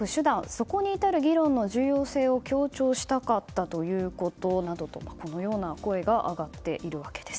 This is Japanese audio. そこに至る議論の重要性を強調したかったということなどとこのような声が上がっているわけです。